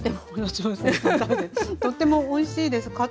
とってもおいしいです。